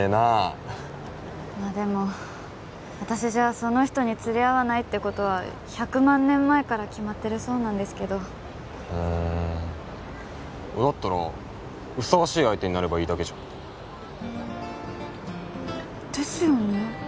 私じゃあその人に釣り合わないってことは１００万年前から決まってるそうなんですけどふんだったらふさわしい相手になればいいだけじゃんですよね